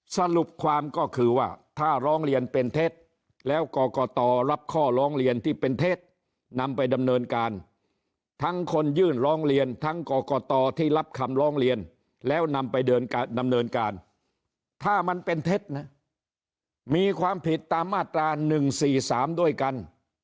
สรุปความก็คือว่าถ้าร้องเรียนเป็นเท็จแล้วกรกตรับข้อร้องเรียนที่เป็นเท็จนำไปดำเนินการทั้งคนยื่นร้องเรียนทั้งกรกตที่รับคำร้องเรียนแล้วนำไปเดินดำเนินการถ้ามันเป็นเท็จนะมีความผิดตามมาตรา๑๔๓ด้วยกัน